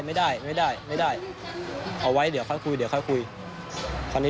ออกมาแนะเค้ากลับถึง